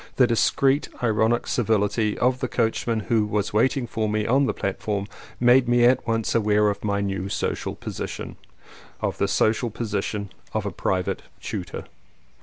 The discreet, ironic civiHty of the coachman who was waiting for me on the platform made me at once aware of my new social position — of the social position of a Private Tutor.